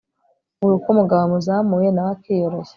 buri uko umugabo amuzamuye nawe akiyoroshya